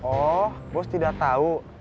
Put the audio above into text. oh bos tidak tau